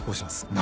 何！？